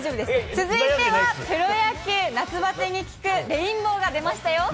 続いてはプロ野球、夏バテに効くレインボーが出ましたよ。